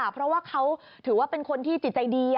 เพราะว่าเขาถือว่าเป็นคนที่จิตใจดี